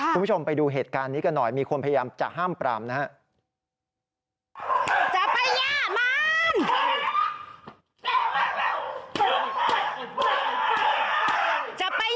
คุณผู้ชมไปดูเหตุการณ์นี้กันหน่อยมีคนพยายามจะห้ามปรามนะครับ